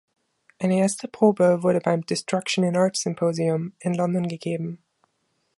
Eine erste Probe wurde beim "Destruction in Art Symposium" in London gegeben.